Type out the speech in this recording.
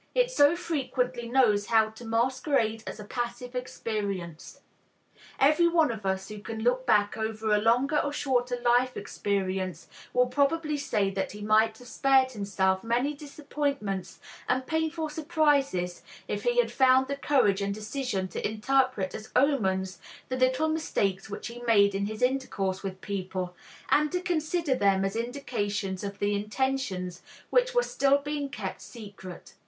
It so frequently knows how to masquerade as a passive experience. Everyone of us who can look back over a longer or shorter life experience will probably say that he might have spared himself many disappointments and painful surprises if he had found the courage and decision to interpret as omens the little mistakes which he made in his intercourse with people, and to consider them as indications of the intentions which were still being kept secret.